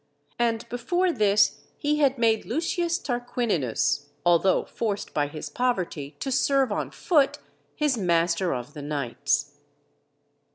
And before this he had made Lucius Tarquininus, although forced by his poverty to serve on foot, his master of the knights.